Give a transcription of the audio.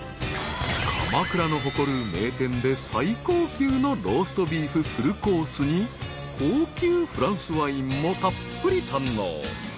［鎌倉の誇る名店で最高級のローストビーフフルコースに高級フランスワインもたっぷり堪能］